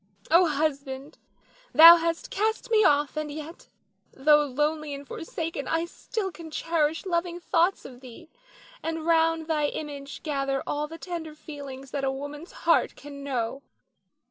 Oh, husband, thou hast cast me off; and yet, though lonely and forsaken, I still can cherish loving thoughts of thee, and round thy image gather all the tender feelings that a woman's heart can know.